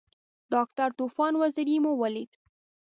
ډاکټر طوفان وزیری مو ولید.